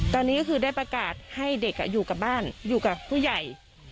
ตอนนี้ก็คือได้ประกาศให้เด็กอยู่กับบ้านอยู่กับผู้ใหญ่